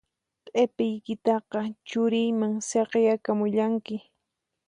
Q'ipiykitaqa churiyman saqiyakamullanki